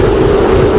itu udah gila